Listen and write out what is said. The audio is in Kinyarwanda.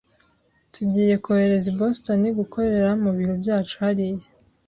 Tugiye kohereza i Boston gukorera mu biro byacu hariya.